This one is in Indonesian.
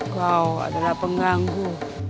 kau adalah pengganggu